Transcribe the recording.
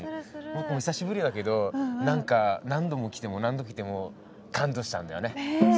僕も久しぶりだけど何か何度も来ても何度来ても感動しちゃうんだよね。